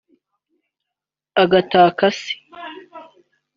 agataka se